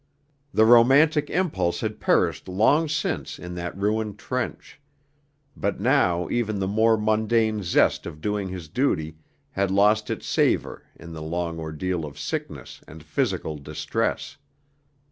The romantic impulse had perished long since in that ruined trench; but now even the more mundane zest of doing his duty had lost its savour in the long ordeal of sickness and physical distress.